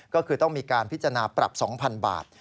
ก็คือต้องมีการพิจารณาปรับ๒๐๐๐บาท